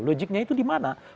logiknya itu di mana